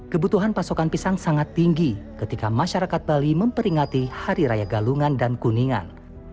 kebutuhan pasokan pisang sangat tinggi ketika masyarakat bali memperingati hari raya galungan dan kuningan